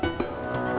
gue pengaruhin lo apa